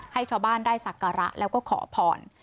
ให้ชาวบ้านได้สักการะแล้วก็ขอพร